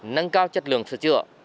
nâng cao chất lượng sửa chữa